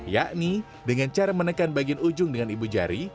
yakni dengan cara menekan bagian ujung dengan ibu jari